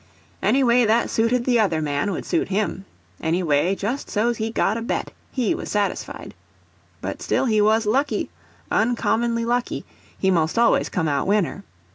Any way that suited the other man would suit him—any way just so's he got a bet, he was satisfied. But still he was lucky, uncommon lucky; he most always come out winner.